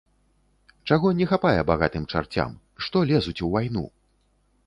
Чаго не хапае багатым чарцям, што лезуць у вайну?